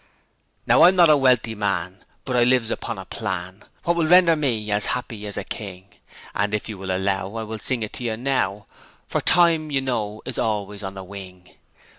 'Now I'm not a wealthy man, But I lives upon a plan Wot will render me as 'appy as a King; An' if you will allow, I'll sing it to you now, For time you know is always on the wing.